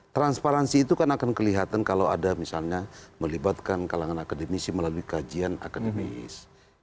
transparansi itu kan akan kelihatan kalau ada misalnya melibatkan kalangan akademisi melalui kajian akademis